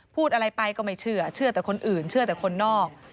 พูดอะไรไปก็ไม่เชื่อเชื่อแต่คนอื่นเชื่อแต่คนนอก